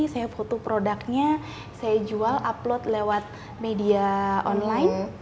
saya foto produknya saya jual upload lewat media online